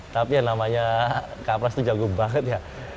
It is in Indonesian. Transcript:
tapi yang namanya kak pras tuh jago banget ya